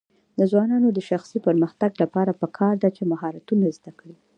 د ځوانانو د شخصي پرمختګ لپاره پکار ده چې مهارتونه زده کړي.